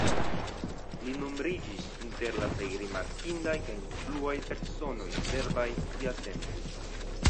Li nombriĝis inter la plej rimarkindaj kaj influaj personoj serbaj siatempe.